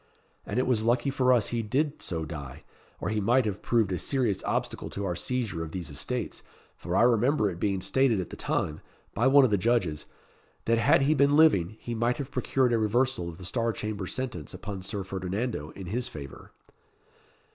And it was lucky for us he did so die, or he might have proved a serious obstacle to our seizure of these estates, for I remember it being stated at the time, by one of the judges, that had he been living, he might have procured a reversal of the Star Chamber sentence upon Sir Ferdinando in his favour."